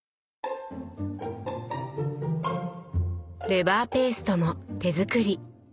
レバーペーストも手作り。